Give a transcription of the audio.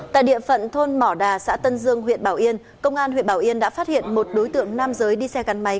tại địa phận thôn mỏ đà xã tân dương huyện bảo yên công an huyện bảo yên đã phát hiện một đối tượng nam giới đi xe gắn máy